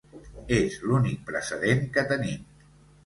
És l’únic precedent que tenim.